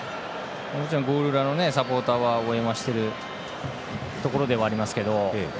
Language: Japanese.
ゴール裏のサポーターは応援はしているところではありますけど。